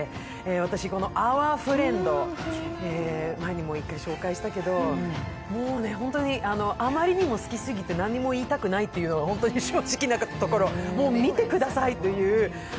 私、この「ＯｕｒＦｒｉｅｎｄ」、前にも１回紹介したけど、もうね、あまりにも好きすぎて何も言いたくないっていうのがホントに正直なところ、もう見てくださいという。